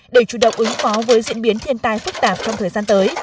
để chủ động ứng phó với diễn biến thiên tai phức tạp trong thời gian tới